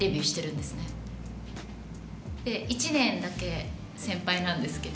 で１年だけ先輩なんですけど。